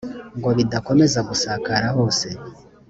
ngo bidakomeza gusakara hose